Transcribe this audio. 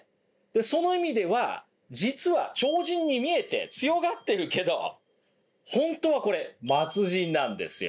その意味では実は超人に見えて強がってるけど本当はこれ末人なんですよ。